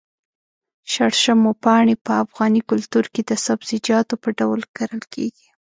شړشمو پاڼې په افغاني کلتور کې د سبزيجاتو په ډول کرل کېږي.